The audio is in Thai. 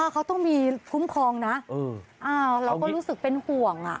อ๋อเขาต้องมีคุ้มครองนะเอออ่าเราก็รู้สึกเป็นห่วงอ่ะ